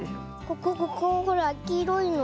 ここここほらきいろいの。